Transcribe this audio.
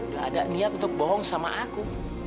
gak ada niat untuk bohong sama aku